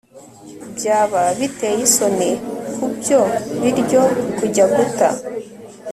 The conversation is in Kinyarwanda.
byaba biteye isoni kubyo biryo kujya guta